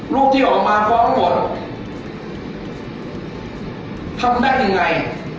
รูปที่ออกมาฟ้องหมดทำได้ยังไง